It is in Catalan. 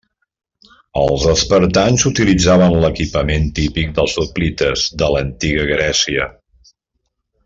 Els espartans utilitzaven l'equipament típic dels hoplites de l'Antiga Grècia.